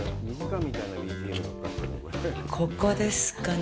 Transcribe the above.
ここですかね。